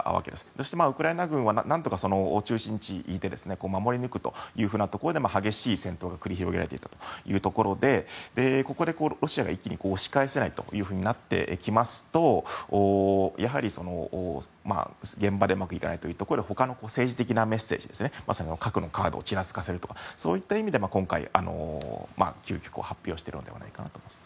そしてウクライナ軍は何とか中心地にいて守り抜くというふうなところで激しい戦闘が繰り広げられているというところでここでロシアが一気に押し返せないとなってきますとやはり現場でうまくいかないというところで他の政治的なメッセージまさに核のカードをちらつかせるとかそういった意味で今回、急きょ発表していると思います。